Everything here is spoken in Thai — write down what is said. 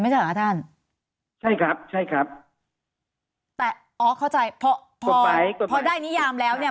ใช่ไหมคะท่านใช่ครับใช่ครับแต่อ๋อเข้าใจพอพอพอได้นิยามแล้วเนี้ย